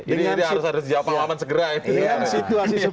ini harus ada jawaban laman segera ya